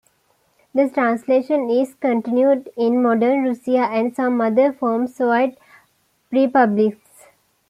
The tradition is continued in modern Russia and some other former Soviet Republics.